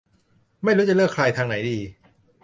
ไม่รู้จะเลือกใครทางไหนดี